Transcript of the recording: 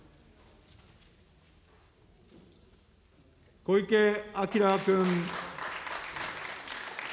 小池晃君。